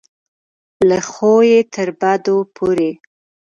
له ښو یې تر بدو پورې.